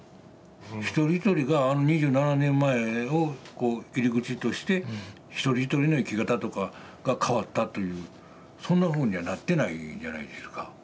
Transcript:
一人一人があの２７年前をこう入り口として一人一人の生き方とかが変わったというそんなふうにはなってないじゃないですか。